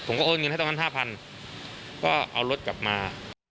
โอนเงินให้ตรงนั้น๕๐๐ก็เอารถกลับมา